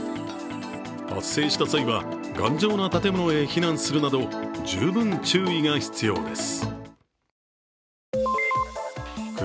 発生した際は頑丈な建物へ避難するなど十分注意が必要です。